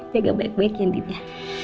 jaga baik baik ya ndip ya